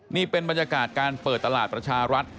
นี่เป็นบรรยากาศการเปิดตลาดประชารัฐ